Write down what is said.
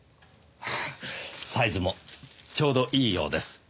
サイズもちょうどいいようです。